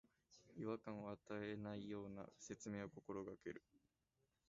違和感を与えないような説明を心がける